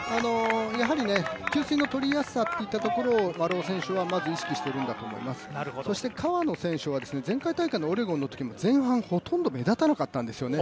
やはり、給水の取りやすさというところを丸尾選手はまず意識しているんだと思います、そして川野選手は前回大会のオレゴンの時も、前半、ほとんど目立たなかったんですね。